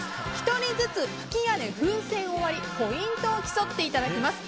１人ずつ吹き矢で風船を割りポイントを競っていただきます。